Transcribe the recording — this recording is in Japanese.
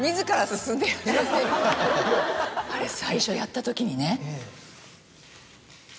あれ最初やったときにね。